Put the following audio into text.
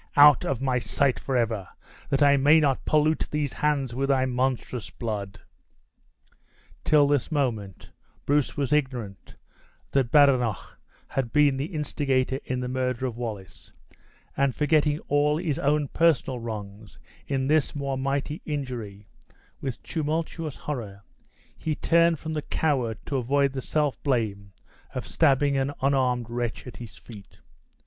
"Out of my sight forever, that I may not pollute these hands with thy monstrous blood!" Till this moment Bruce was ignorant that Badenoch had been the instigator in the murder of Wallace; and forgetting all his own person wrongs in this more mighty injury, with tumultuous horror, he turned from the coward to avoid the self blame of stabbing an unarmed wretch at his feet.